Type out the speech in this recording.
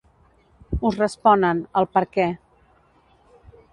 Us responen—el “Perquè”.